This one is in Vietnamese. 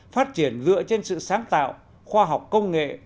phát triển dựa trên sự sáng tạo khoa học công nghệ